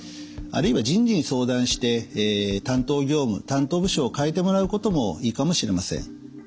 あるいは人事に相談して担当業務担当部署を変えてもらうこともいいかもしれません。